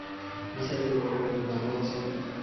নিসার আলি বললেন, আপনি ভালো আছেন?